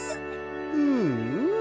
うんうん。